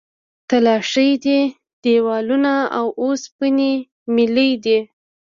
تلاشۍ دي، دیوالونه او اوسپنې میلې دي.